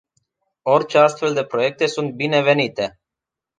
Orice astfel de proiecte sunt binevenite.